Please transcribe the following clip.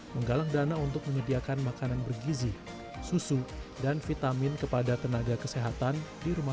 menggalang dana untuk menyediakan makanan bergizi susu dan vitamin kepada tenaga kesehatan di rumah